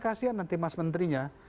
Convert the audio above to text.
kasian nanti mas menterinya